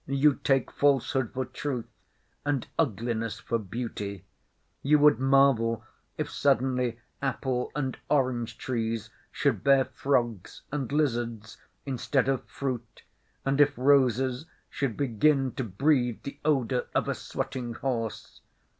You take falsehood for truth and ugliness for beauty. You would marvel if suddenly apple and orange trees should bear frogs and lizards instead of fruit, and if roses should begin to breathe the odour of a sweating horse.